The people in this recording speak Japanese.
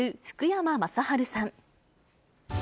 福山雅治さん。